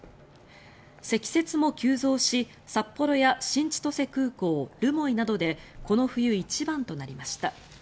積雪も急増し札幌や新千歳空港、留萌などでこの冬一番となりました。